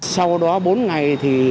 sau đó bốn ngày